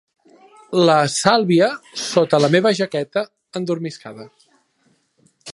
La Sàlvia sota la meva jaqueta, endormiscada.